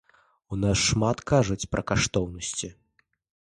У нас шмат кажуць пра каштоўнасці.